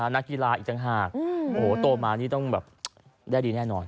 นักกีฬาอีกต่างหากโอ้โหโตมานี่ต้องแบบได้ดีแน่นอน